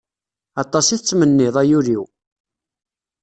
Aṭas i tettmenniḍ, ay ul-iw!